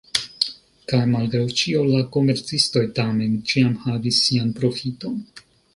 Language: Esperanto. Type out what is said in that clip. Kaj, malgraŭ ĉio, la komercistoj tamen ĉiam havis sian profiton!